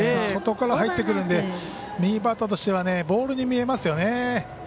外から入ってくるので右バッターとしてはボールに見えますよね。